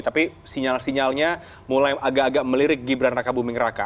tapi sinyal sinyalnya mulai agak agak melirik gibran raka buming raka